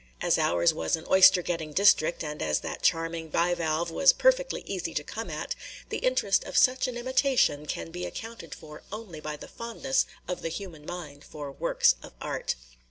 As ours was an oyster getting district, and as that charming bivalve was perfectly easy to come at, the interest of such an imitation can be accounted for only by the fondness of the human mind for works of art.